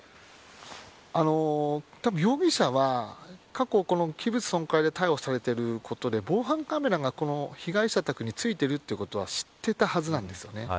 たぶん、容疑者は過去、器物損壊で逮捕されていることで防犯カメラが被害者宅に付いているということは知っていたはずなんです。